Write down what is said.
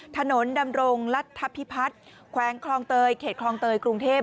ถนนดำรงรัฐพิพัฒน์แขวงคลองเตยเขตคลองเตยกรุงเทพ